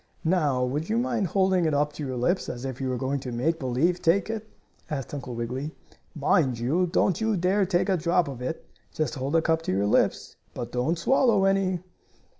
"Now, would you mind holding it up to your lips, as if you were going to make believe take it?" asked Uncle Wiggily. "Mind you, don't you dare take a drop of it. Just hold the cup to your lips, but don't swallow any."